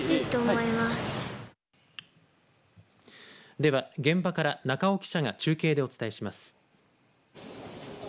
では、現場から中尾記者が中継でお伝えします。